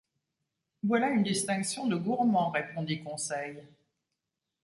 Voilà une distinction de gourmand, répondit Conseil.